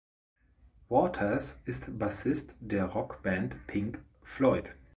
Waters ist Bassist der Rockband Pink Floyd.